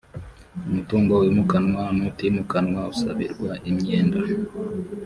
umutungo wimukanwa n utimukanwa usabirwa imyenda